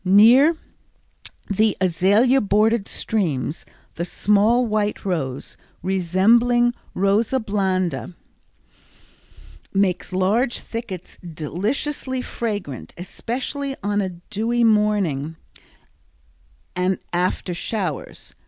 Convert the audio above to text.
Near the azalea bordered streams the small wild rose, resembling R. blanda, makes large thickets deliciously fragrant, especially on a dewy morning and after showers.